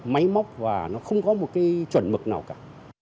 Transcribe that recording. máy móc và nó không có một cái chuẩn mực nào cả